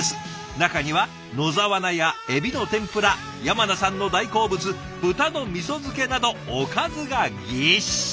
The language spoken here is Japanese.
中には野沢菜やエビの天ぷら山名さんの大好物豚のみそ漬けなどおかずがぎっしり！